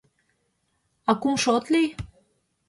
— А кумшо от лий?